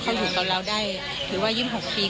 เพราะว่าหวังว่าลูกจะมาอยู่กันเพื่อน